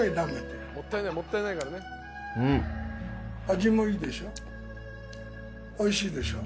味もいいでしょ？